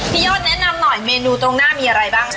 ยอดแนะนำหน่อยเมนูตรงหน้ามีอะไรบ้างคะ